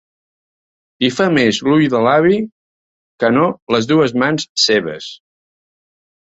Hi fa més l'ull de l'avi que no les dues mans seves.